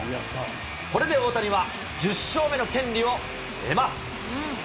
これで大谷は１０勝目の権利を得ます。